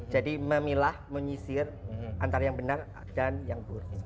jadi memilah mengisir antara yang benar dan yang buruk